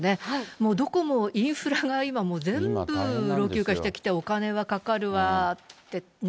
もうどこもインフラが今もう、全部老朽化してきて、お金はかかるわってね。